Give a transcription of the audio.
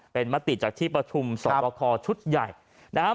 เป็นมติจากที่ประชุมสอบคอชุดใหญ่นะครับ